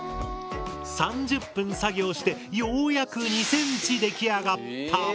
３０分作業してようやく２ｃｍ出来上がった！